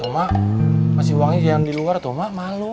ma masih uangnya jangan di luar tuh ma malu